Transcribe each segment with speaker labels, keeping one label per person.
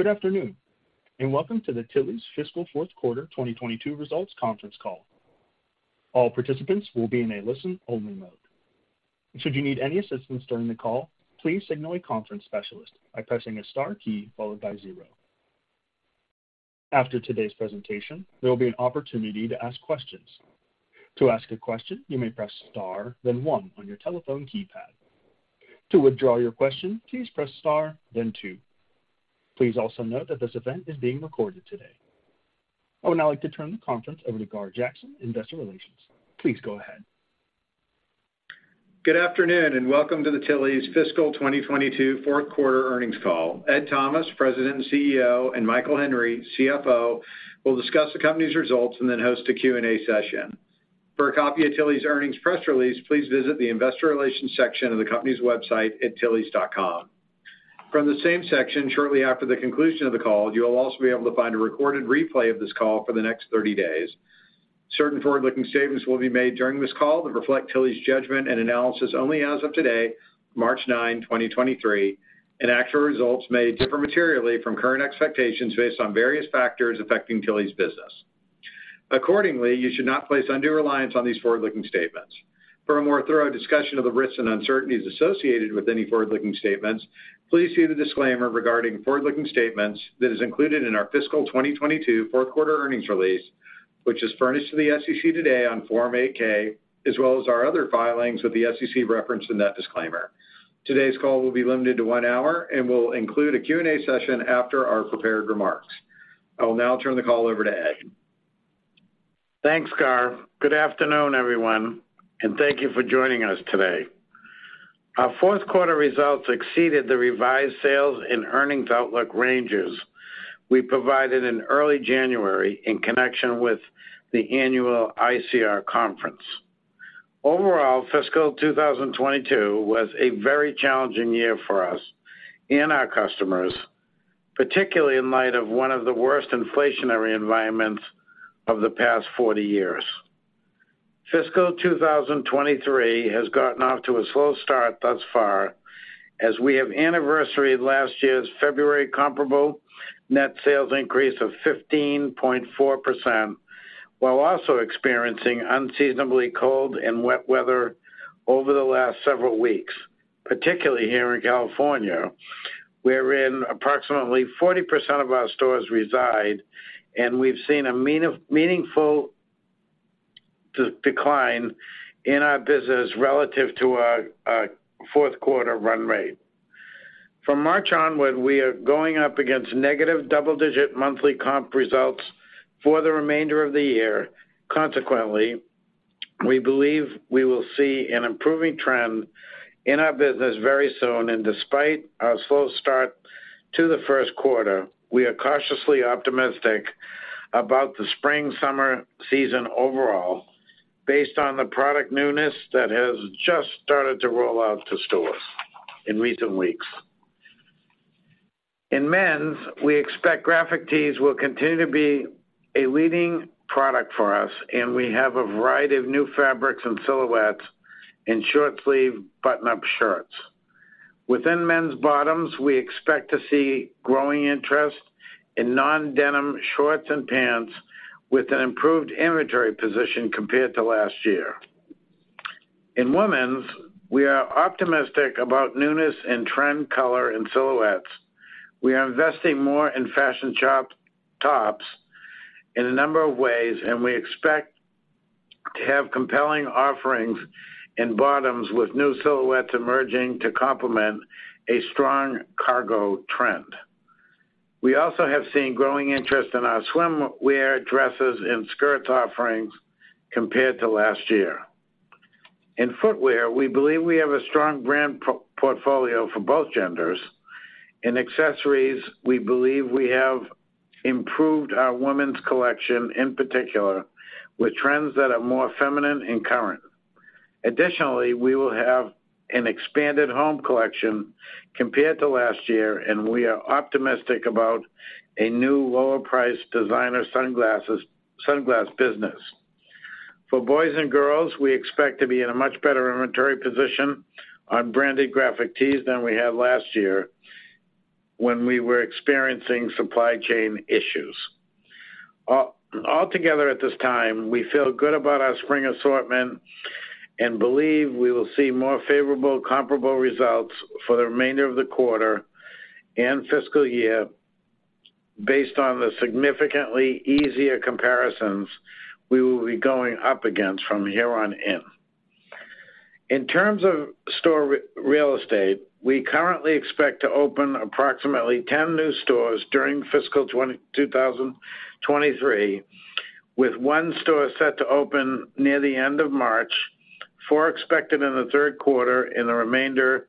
Speaker 1: Good afternoon, and welcome to the Tilly's fiscal fourth quarter 2022 results conference call. All participants will be in a listen-only mode. Should you need any assistance during the call, please signal a conference specialist by pressing a star key followed by zero. After today's presentation, there will be an opportunity to ask questions. To ask a question, you may press Star, then one on your telephone keypad. To withdraw your question, please press Star, then two. Please also note that this event is being recorded today. I would now like to turn the conference over to Gar Jackson, Investor Relations. Please go ahead.
Speaker 2: Good afternoon, and welcome to the Tilly's fiscal 2022 fourth quarter earnings call. Ed Thomas, President and CEO, and Michael Henry, CFO, will discuss the company's results and then host a Q&A session. For a copy of Tilly's earnings press release, please visit the investor relations section of the company's website at tillys.com. From the same section, shortly after the conclusion of the call, you will also be able to find a recorded replay of this call for the next 30 days. Certain forward-looking statements will be made during this call that reflect Tilly's judgment and analysis only as of today, March 9, 2023, and actual results may differ materially from current expectations based on various factors affecting Tilly's business. Accordingly, you should not place undue reliance on these forward-looking statements. For a more thorough discussion of the risks and uncertainties associated with any forward-looking statements, please see the disclaimer regarding forward-looking statements that is included in our fiscal 2022 fourth quarter earnings release, which is furnished to the SEC today on Form 8-K, as well as our other filings with the SEC reference in that disclaimer. Today's call will be limited to 1 hour and will include a Q&A session after our prepared remarks. I will now turn the call over to Ed.
Speaker 3: Thanks, Gar. Good afternoon, everyone, and thank you for joining us today. Our fourth quarter results exceeded the revised sales and earnings outlook ranges we provided in early January in connection with the annual ICR conference. Overall, fiscal 2022 was a very challenging year for us and our customers, particularly in light of one of the worst inflationary environments of the past 40 years. Fiscal 2023 has gotten off to a slow start thus far, as we have anniversaried last year's February comparable net sales increase of 15.4%, while also experiencing unseasonably cold and wet weather over the last several weeks, particularly here in California, wherein approximately 40% of our stores reside, and we've seen a meaningful decline in our business relative to our fourth quarter run rate. From March onward, we are going up against negative double-digit monthly comp results for the remainder of the year. Consequently, we believe we will see an improving trend in our business very soon, and despite our slow start to the first quarter, we are cautiously optimistic about the spring-summer season overall based on the product newness that has just started to roll out to stores in recent weeks. In men's, we expect graphic tees will continue to be a leading product for us, and we have a variety of new fabrics and silhouettes in short sleeve button-up shirts. Within men's bottoms, we expect to see growing interest in non-denim shorts and pants with an improved inventory position compared to last year. In women's, we are optimistic about newness in trend color and silhouettes. We are investing more in fashion tops in a number of ways, and we expect to have compelling offerings in bottoms with new silhouettes emerging to complement a strong cargo trend. We also have seen growing interest in our swimwear, dresses, and skirts offerings compared to last year. In footwear, we believe we have a strong brand portfolio for both genders. In accessories, we believe we have improved our women's collection, in particular, with trends that are more feminine and current. Additionally, we will have an expanded home collection compared to last year, and we are optimistic about a new lower price designer sunglass business. For boys and girls, we expect to be in a much better inventory position on branded graphic tees than we had last year when we were experiencing supply chain issues. Altogether at this time, we feel good about our spring assortment and believe we will see more favorable comparable results for the remainder of the quarter and fiscal year based on the significantly easier comparisons we will be going up against from here on in. In terms of store real estate, we currently expect to open approximately 10 new stores during fiscal 2023, with one store set to open near the end of March, four expected in the third quarter, and the remainder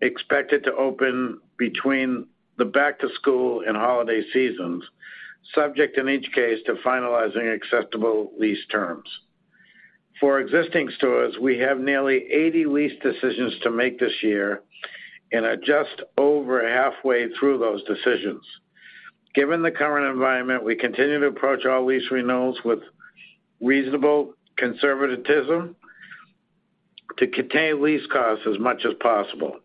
Speaker 3: expected to open between the back to school and holiday seasons, subject in each case to finalizing acceptable lease terms. For existing stores, we have nearly 80 lease decisions to make this year and are just over halfway through those decisions. Given the current environment, we continue to approach our lease renewals with reasonable conservatism to contain lease costs as much as possible.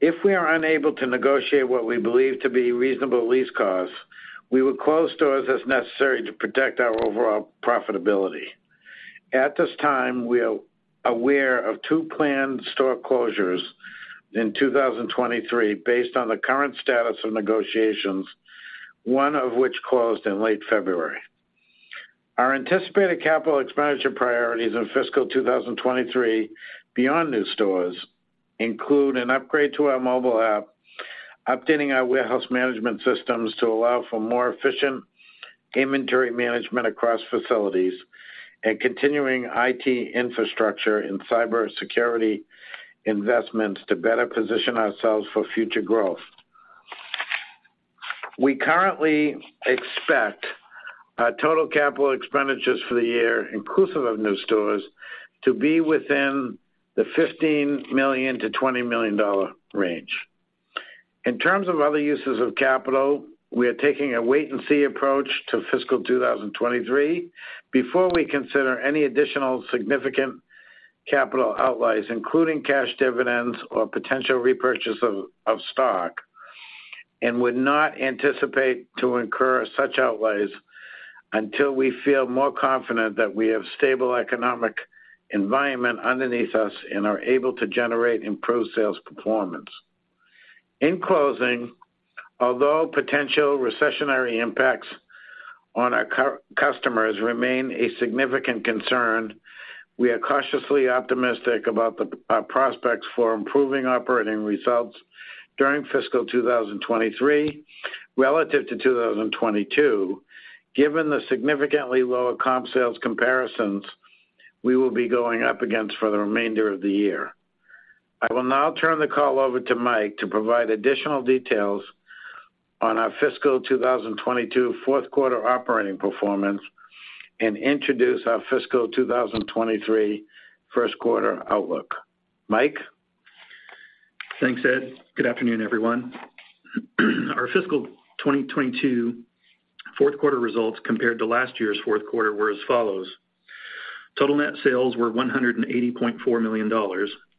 Speaker 3: If we are unable to negotiate what we believe to be reasonable lease costs, we will close stores as necessary to protect our overall profitability. At this time, we are aware of 2 planned store closures in 2023 based on the current status of negotiations, one of which closed in late February. Our anticipated capital expenditure priorities in fiscal 2023 beyond new stores include an upgrade to our mobile app, updating our warehouse management systems to allow for more efficient inventory management across facilities, and continuing IT infrastructure and cybersecurity investments to better position ourselves for future growth. We currently expect our total capital expenditures for the year, inclusive of new stores, to be within the $15 million-$20 million range. In terms of other uses of capital, we are taking a wait-and-see approach to fiscal 2023 before we consider any additional significant capital outlays, including cash dividends or potential repurchase of stock, and would not anticipate to incur such outlays until we feel more confident that we have stable economic environment underneath us and are able to generate improved sales performance. In closing, although potential recessionary impacts on our customers remain a significant concern, we are cautiously optimistic about our prospects for improving operating results during fiscal 2023 relative to 2022, given the significantly lower comp sales comparisons we will be going up against for the remainder of the year. I will now turn the call over to Mike to provide additional details on our fiscal 2022 fourth quarter operating performance and introduce our fiscal 2023 first quarter outlook. Mike?
Speaker 4: Thanks, Ed. Good afternoon, everyone. Our fiscal 2022 fourth quarter results compared to last year's fourth quarter were as follows: Total net sales were $180.4 million,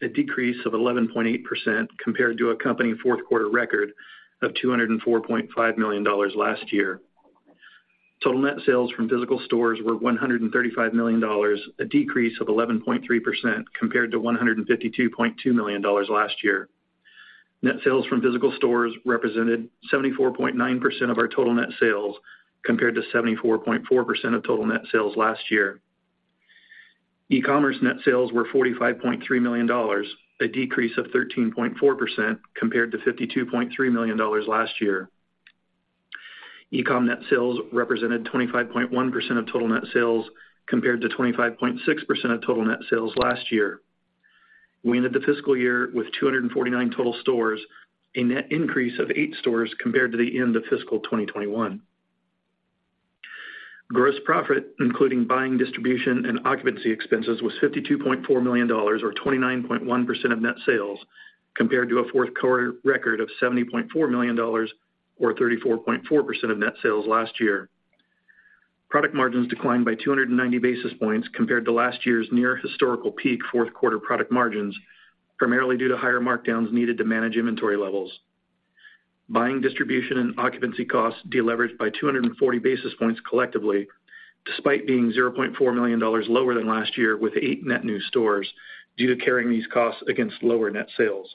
Speaker 4: a decrease of 11.8% compared to a company fourth quarter record of $204.5 million last year. Total net sales from physical stores were $135 million, a decrease of 11.3% compared to $152.2 million last year. Net sales from physical stores represented 74.9% of our total net sales, compared to 74.4% of total net sales last year. E-commerce net sales were $45.3 million, a decrease of 13.4% compared to $52.3 million last year. E-comm net sales represented 25.1% of total net sales, compared to 25.6% of total net sales last year. We ended the fiscal year with 249 total stores, a net increase of 8 stores compared to the end of fiscal 2021. Gross profit, including buying, distribution, and occupancy expenses, was $52.4 million or 29.1% of net sales, compared to a fourth quarter record of $70.4 million or 34.4% of net sales last year. Product margins declined by 290 basis points compared to last year's near historical peak fourth quarter product margins, primarily due to higher markdowns needed to manage inventory levels. Buying, distribution, and occupancy costs deleveraged by 240 basis points collectively, despite being $0.4 million lower than last year with 8 net new stores due to carrying these costs against lower net sales.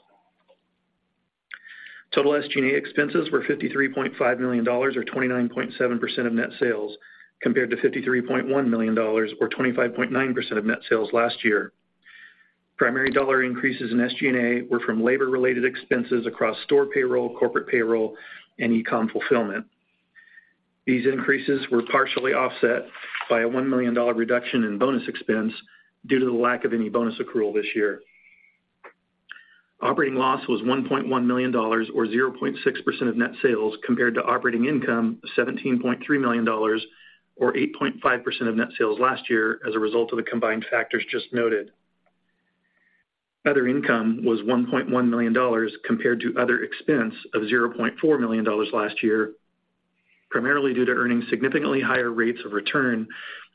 Speaker 4: Total SG&A expenses were $53.5 million or 29.7% of net sales, compared to $53.1 million or 25.9% of net sales last year. Primary dollar increases in SG&A were from labor-related expenses across store payroll, corporate payroll, and e-comm fulfillment. These increases were partially offset by a $1 million reduction in bonus expense due to the lack of any bonus accrual this year. Operating loss was $1.1 million or 0.6% of net sales, compared to operating income of $17.3 million or 8.5% of net sales last year as a result of the combined factors just noted. Other income was $1.1 million compared to other expense of $0.4 million last year, primarily due to earning significantly higher rates of return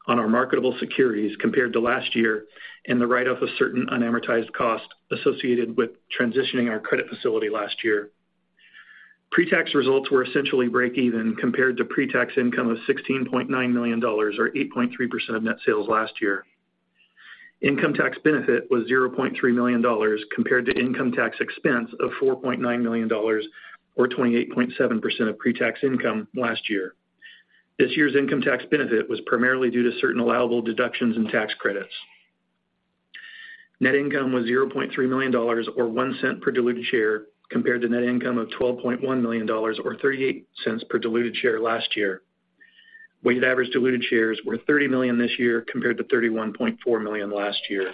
Speaker 4: on our marketable securities compared to last year and the write-off of certain unamortized costs associated with transitioning our credit facility last year. Pre-tax results were essentially break even compared to pre-tax income of $16.9 million or 8.3% of net sales last year. Income tax benefit was $0.3 million compared to income tax expense of $4.9 million or 28.7% of pre-tax income last year. This year's income tax benefit was primarily due to certain allowable deductions and tax credits. Net income was $0.3 million or $0.01 per diluted share, compared to net income of $12.1 million or $0.38 per diluted share last year. Weighted average diluted shares were 30 million this year compared to 31.4 million last year.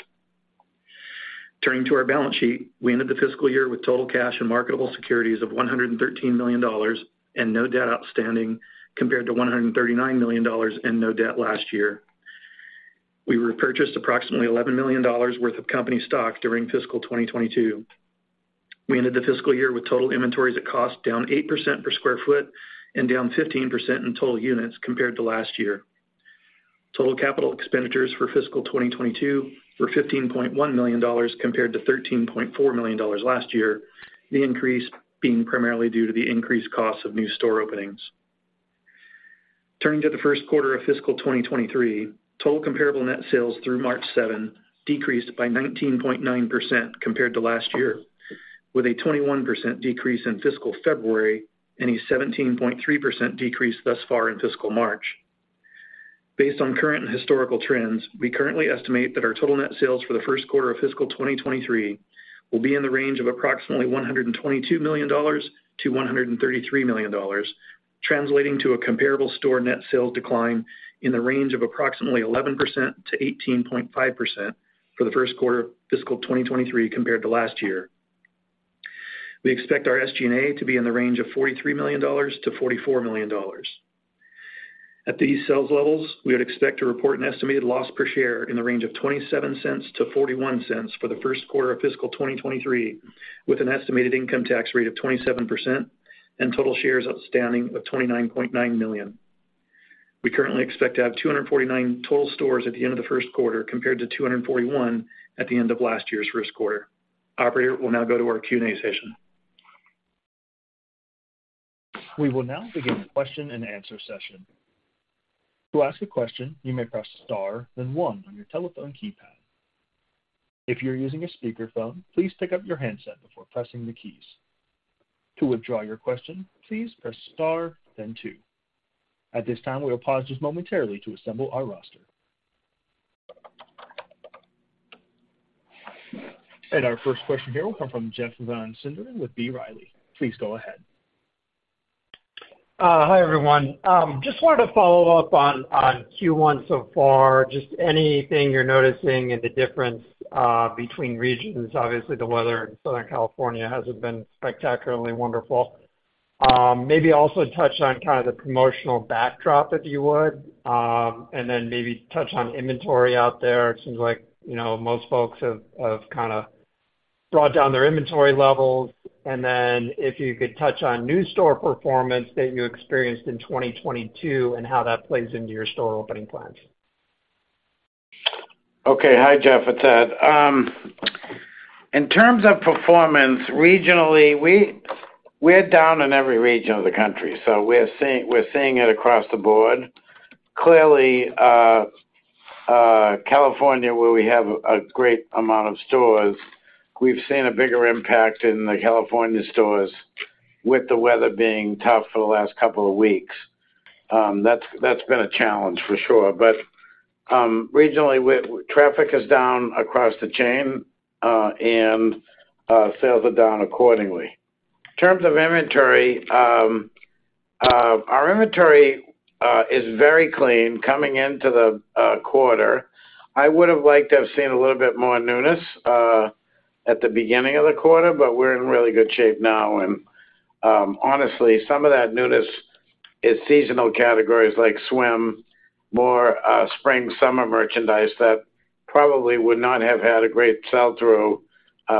Speaker 4: Turning to our balance sheet, we ended the fiscal year with total cash and marketable securities of $113 million and no debt outstanding, compared to $139 million and no debt last year. We repurchased approximately $11 million worth of company stock during fiscal 2022. We ended the fiscal year with total inventories at cost down 8% per square foot and down 15% in total units compared to last year. Total capital expenditures for fiscal 2022 were $15.1 million compared to $13.4 million last year, the increase being primarily due to the increased costs of new store openings. Turning to the first quarter of fiscal 2023, total comparable net sales through March 7 decreased by 19.9% compared to last year, with a 21% decrease in fiscal February and a 17.3% decrease thus far in fiscal March. Based on current and historical trends, we currently estimate that our total net sales for the first quarter of fiscal 2023 will be in the range of approximately $122 million-$133 million, translating to a comparable store net sales decline in the range of approximately 11%-18.5% for the first quarter of fiscal 2023 compared to last year. We expect our SG&A to be in the range of $43 million-$44 million. At these sales levels, we would expect to report an estimated loss per share in the range of $0.27-$0.41 for the first quarter of fiscal 2023, with an estimated income tax rate of 27% and total shares outstanding of 29.9 million. We currently expect to have 249 total stores at the end of the first quarter compared to 241 at the end of last year's first quarter. Operator, we'll now go to our Q&A session.
Speaker 1: We will now begin the question-and-answer session. To ask a question, you may press star, then 1 on your telephone keypad. If you're using a speakerphone, please pick up your handset before pressing the keys. To withdraw your question, please press star, then 2. At this time, we will pause just momentarily to assemble our roster. Our first question here will come from Jeff Van Sinderen with B. Riley. Please go ahead.
Speaker 5: Hi, everyone. Just wanted to follow up on Q1 so far, just anything you're noticing in the difference between regions. Obviously, the weather in Southern California hasn't been spectacularly wonderful. Maybe also touch on kind of the promotional backdrop, if you would, and then maybe touch on inventory out there. It seems like, you know, most folks have kinda brought down their inventory levels. If you could touch on new store performance that you experienced in 2022 and how that plays into your store opening plans.
Speaker 3: Okay. Hi, Jeff. It's Ed. In terms of performance regionally, we're down in every region of the country, so we're seeing it across the board. Clearly, California, where we have a great amount of stores, we've seen a bigger impact in the California stores with the weather being tough for the last couple of weeks. That's been a challenge for sure. Traffic is down across the chain, and sales are down accordingly. In terms of inventory, our inventory is very clean coming into the quarter. I would have liked to have seen a little bit more newness at the beginning of the quarter, but we're in really good shape now. honestly, some of that newness is seasonal categories like swim, more, spring/summer merchandise that probably would not have had a great sell-through,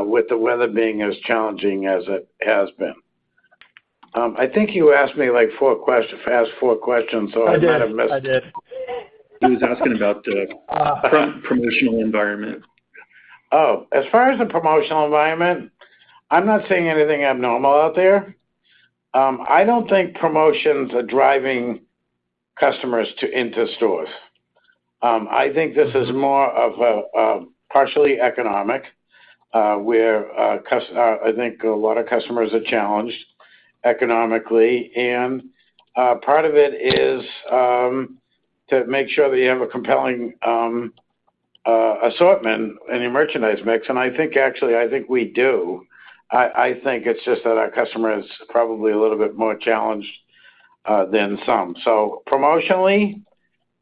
Speaker 3: with the weather being as challenging as it has been. I think you asked me, like, you asked 4 questions, so I might have missed...
Speaker 5: I did. I did.
Speaker 1: He was asking about the pro-promotional environment.
Speaker 3: As far as the promotional environment, I'm not seeing anything abnormal out there. I don't think promotions are driving customers into stores. I think this is more of a partially economic, where I think a lot of customers are challenged economically. Part of it is to make sure that you have a compelling assortment in your merchandise mix, and I think, actually, I think we do. I think it's just that our customer is probably a little bit more challenged than some. Promotionally,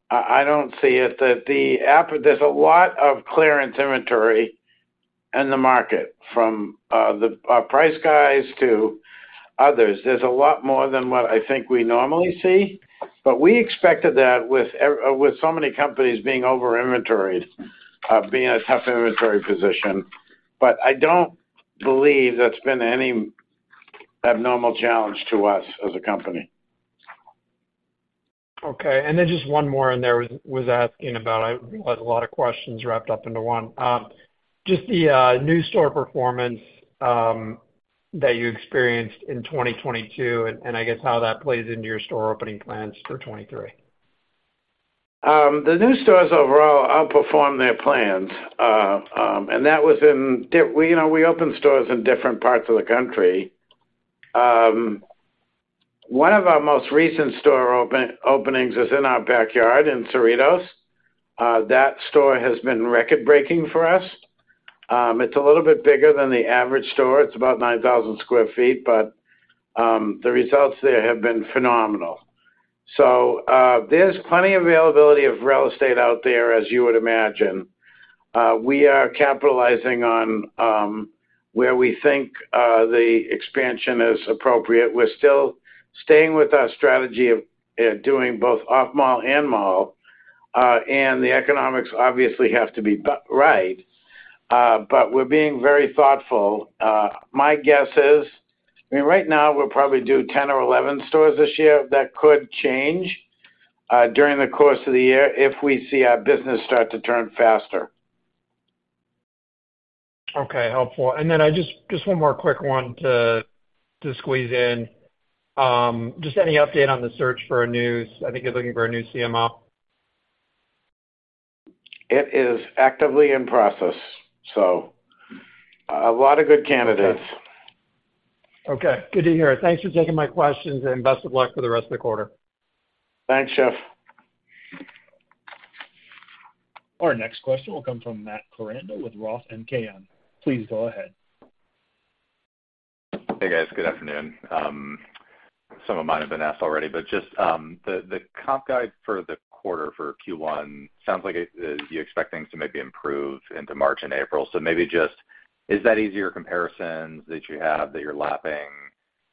Speaker 3: I don't see it. There's a lot of clearance inventory in the market from the price guys to others. There's a lot more than what I think we normally see, but we expected that with so many companies being over inventoried, being in a tough inventory position. I don't believe that's been any abnormal challenge to us as a company.
Speaker 5: Okay. Just one more in there was asking about a lot of questions wrapped up into one. Just the new store performance that you experienced in 2022 and I guess how that plays into your store opening plans for 2023.
Speaker 3: The new stores overall outperformed their plans. You know, we opened stores in different parts of the country. One of our most recent store openings is in our backyard in Cerritos. That store has been record-breaking for us. It's a little bit bigger than the average store. It's about 9,000 sq ft, but the results there have been phenomenal. There's plenty availability of real estate out there, as you would imagine. We are capitalizing on where we think the expansion is appropriate. We're still staying with our strategy of doing both off mall and mall. The economics obviously have to be right. We're being very thoughtful. My guess is... I mean, right now, we'll probably do 10 or 11 stores this year. That could change, during the course of the year if we see our business start to turn faster.
Speaker 5: Okay. Helpful. Just one more quick one to squeeze in. Just any update on the search for a new... I think you're looking for a new CMO?
Speaker 3: It is actively in process, so a lot of good candidates.
Speaker 5: Okay. Good to hear. Thanks for taking my questions, and best of luck for the rest of the quarter.
Speaker 3: Thanks, Jeff.
Speaker 1: Our next question will come from Matt Koranda with ROTH MKM. Please go ahead.
Speaker 6: Hey, guys. Good afternoon. Some of mine have been asked already, just the comp guide for the quarter for Q1 sounds like it, you expect things to maybe improve into March and April. Maybe just, is that easier comparisons that you have, that you're lapping?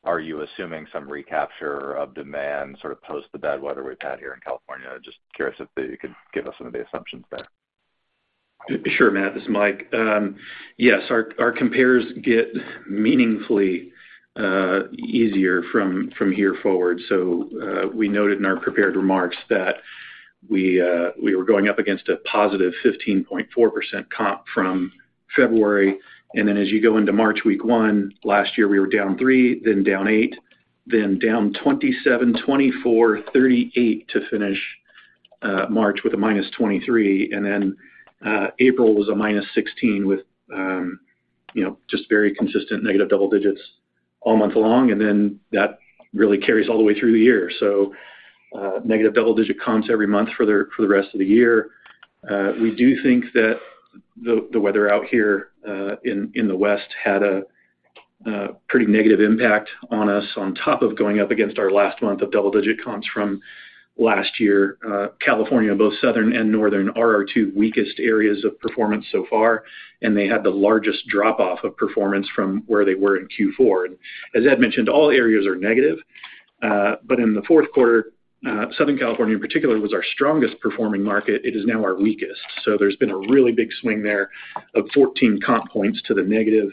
Speaker 6: Are you assuming some recapture of demand, sort of post the bad weather we've had here in California? Just curious if you could give us some of the assumptions there.
Speaker 4: Sure, Matt, this is Mike. Yes, our compares get meaningfully easier from here forward. We noted in our prepared remarks that we were going up against a positive 15.4% comp from February. As you go into March week one, last year we were down 3%, then down 8%, then down 27%, 24%, 38% to finish March with a -23%. April was a -16% with, you know, just very consistent negative double digits all month long. That really carries all the way through the year. Negative double-digit comps every month for the rest of the year. We do think that the weather out here, in the West had a pretty negative impact on us on top of going up against our last month of double-digit comps from last year. California, both Southern and Northern, are our two weakest areas of performance so far, and they had the largest drop off of performance from where they were in Q4. As Ed mentioned, all areas are negative. In the fourth quarter, Southern California in particular was our strongest performing market. It is now our weakest. There's been a really big swing there of 14 comp points to the negative.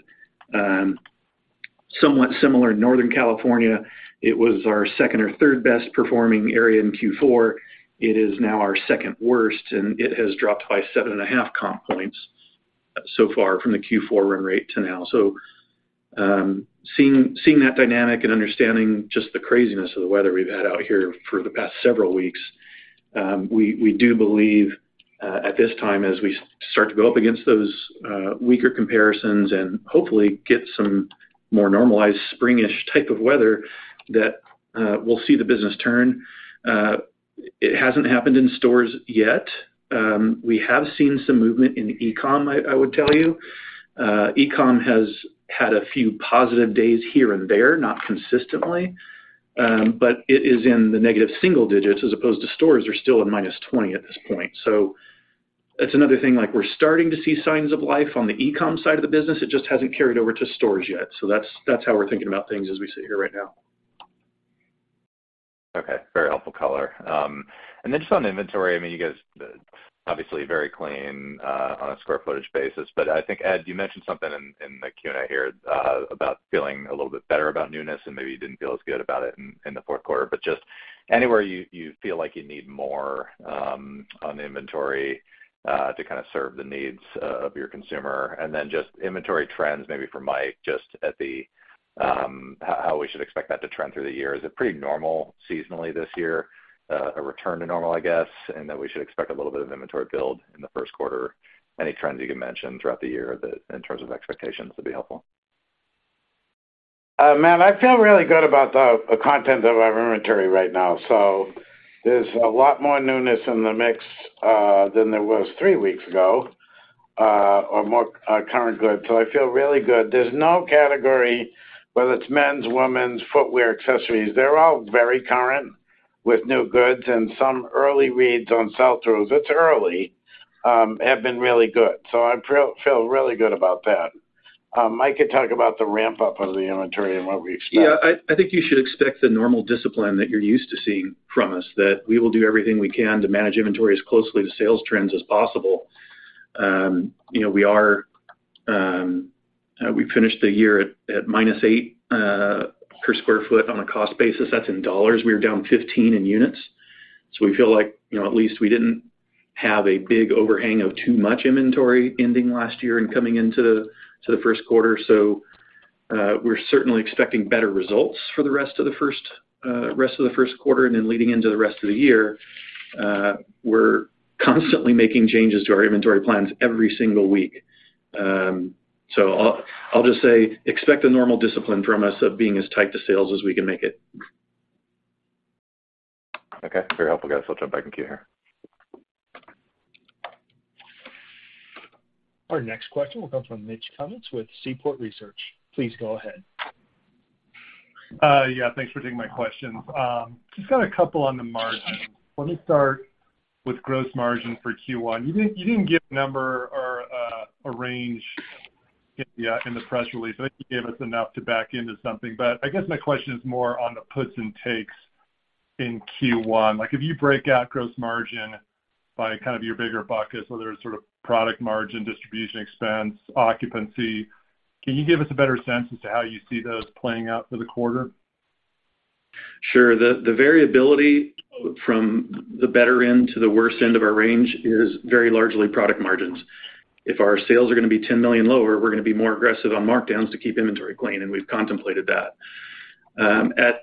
Speaker 4: Somewhat similar in Northern California, it was our second or third best performing area in Q4. It is now our second worst, and it has dropped by 7.5 comp points so far from the Q4 run rate to now. Seeing that dynamic and understanding just the craziness of the weather we've had out here for the past several weeks, we do believe at this time, as we start to go up against those weaker comparisons and hopefully get some more normalized spring-ish type of weather, that we'll see the business turn. It hasn't happened in stores yet. We have seen some movement in e-comm, I would tell you. E-comm has had a few positive days here and there, not consistently, but it is in the negative single digits as opposed to stores are still at -20 at this point. That's another thing, like we're starting to see signs of life on the e-comm side of the business. It just hasn't carried over to stores yet. That's how we're thinking about things as we sit here right now.
Speaker 6: Okay. Very helpful color. Then just on inventory, I mean, you guys obviously very clean on a square footage basis. I think, Ed, you mentioned something in the Q&A here about feeling a little bit better about newness, and maybe you didn't feel as good about it in the fourth quarter. Just anywhere you feel like you need more on the inventory to kinda serve the needs of your consumer. Then just inventory trends maybe for Mike, just at the, how we should expect that to trend through the year? Is it pretty normal seasonally this year? A return to normal, I guess, and that we should expect a little bit of inventory build in the first quarter? Any trends you can mention throughout the year that in terms of expectations would be helpful.
Speaker 3: Matt, I feel really good about the content of our inventory right now. There's a lot more newness in the mix, than there was three weeks ago, or more, current goods. I feel really good. There's no category, whether it's men's, women's, footwear, accessories. They're all very current with new goods and some early reads on sell-throughs, it's early, have been really good. I feel really good about that. Mike could talk about the ramp-up of the inventory and what we expect.
Speaker 4: Yeah. I think you should expect the normal discipline that you're used to seeing from us, that we will do everything we can to manage inventory as closely to sales trends as possible. you know, we are. We finished the year at minus 8 per square foot on a cost basis. That's in dollars. We were down 15 in units. we feel like, you know, at least we didn't have a big overhang of too much inventory ending last year and coming into the first quarter. we're certainly expecting better results for the rest of the first quarter and then leading into the rest of the year. we're constantly making changes to our inventory plans every single week. I'll just say expect a normal discipline from us of being as tight to sales as we can make it.
Speaker 6: Okay. Very helpful, guys. I'll jump back in queue here.
Speaker 1: Our next question will come from Mitch Kummetz with Seaport Research Partners. Please go ahead.
Speaker 7: Yeah, thanks for taking my question. Just got a couple on the margins. Let me start with gross margin for Q1. You didn't give a number or A range in the press release. I think you gave us enough to back into something. I guess my question is more on the puts and takes in Q1. Like, if you break out gross margin by kind of your bigger buckets, whether it's sort of product margin, distribution expense, occupancy, can you give us a better sense as to how you see those playing out for the quarter?
Speaker 4: Sure. The, the variability from the better end to the worst end of our range is very largely product margins. If our sales are gonna be $10 million lower, we're gonna be more aggressive on markdowns to keep inventory clean, we've contemplated that.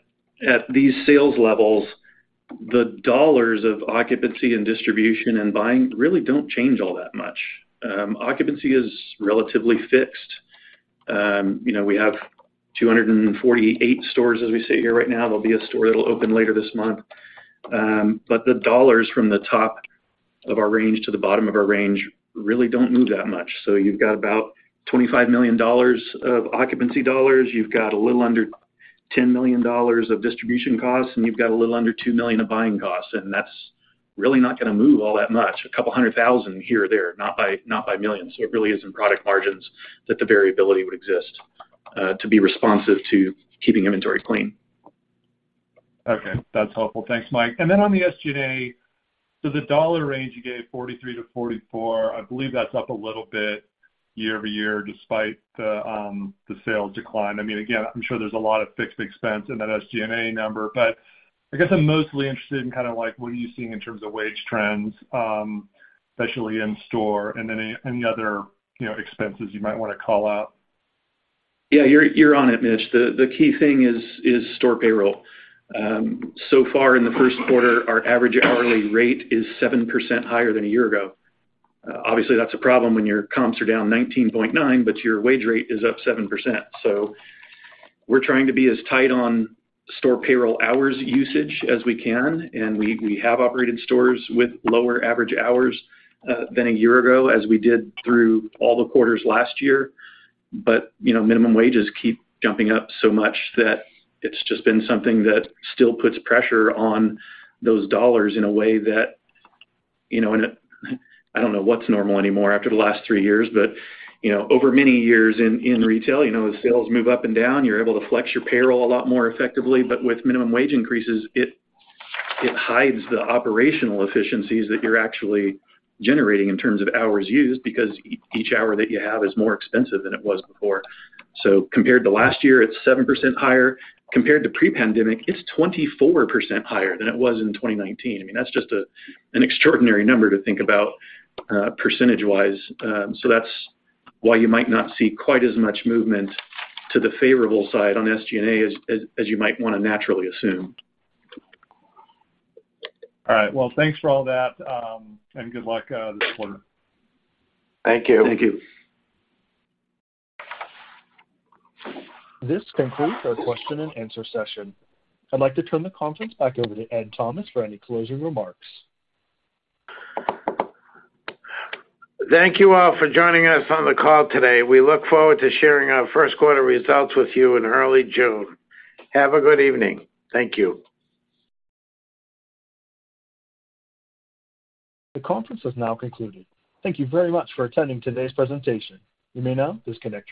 Speaker 4: At these sales levels, the dollars of occupancy and distribution and buying really don't change all that much. Occupancy is relatively fixed. you know, we have 248 stores as we sit here right now. There'll be a store that'll open later this month. The dollars from the top of our range to the bottom of our range really don't move that much. You've got about $25 million of occupancy dollars. You've got a little under $10 million of distribution costs, and you've got a little under $2 million of buying costs. That's really not gonna move all that much. A couple $100,000 here or there, not by millions. It really is in product margins that the variability would exist to be responsive to keeping inventory clean.
Speaker 7: Okay. That's helpful. Thanks, Mike. On the SG&A, the dollar range you gave, $43 million-$44 million, I believe that's up a little bit year-over-year, despite the sales decline. I mean, again, I'm sure there's a lot of fixed expense in that SG&A number, but I guess I'm mostly interested in kinda like what are you seeing in terms of wage trends, especially in store and any other, you know, expenses you might wanna call out.
Speaker 4: Yeah, you're on it, Mitch. The key thing is store payroll. So far in the first quarter, our average hourly rate is 7% higher than a year ago. Obviously, that's a problem when your comps are down 19.9, but your wage rate is up 7%. We're trying to be as tight on store payroll hours usage as we can, and we have operated stores with lower average hours than a year ago as we did through all the quarters last year. But, you know, minimum wages keep jumping up so much that it's just been something that still puts pressure on those dollars in a way that, you know. I don't know what's normal anymore after the last three years. You know, over many years in retail, you know, as sales move up and down, you're able to flex your payroll a lot more effectively. With minimum wage increases, it hides the operational efficiencies that you're actually generating in terms of hours used because each hour that you have is more expensive than it was before. Compared to last year, it's 7% higher. Compared to pre-pandemic, it's 24% higher than it was in 2019. I mean, that's just an extraordinary number to think about, percentage-wise. So that's why you might not see quite as much movement to the favorable side on SG&A as you might wanna naturally assume.
Speaker 7: All right. Well, thanks for all that, and good luck this quarter.
Speaker 3: Thank you.
Speaker 4: Thank you.
Speaker 1: This concludes our question-and-answer session. I'd like to turn the conference back over to Ed Thomas for any closing remarks.
Speaker 3: Thank you all for joining us on the call today. We look forward to sharing our first quarter results with you in early June. Have a good evening. Thank you.
Speaker 1: The conference has now concluded. Thank you very much for attending today's presentation. You may now disconnect your lines.